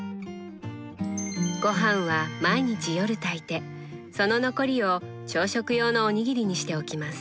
ごはんは毎日夜炊いてその残りを朝食用のおにぎりにしておきます。